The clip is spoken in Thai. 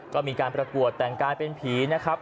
ก็มีการประกวดแต่งกายเป็นผีนะครับ